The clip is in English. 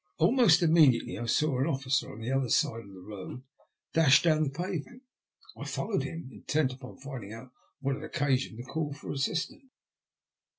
Almost immediately I saw an officer on the other side of the road dash down the pavement. I followed him, intent upon finding out what had occasioned the call for assistance.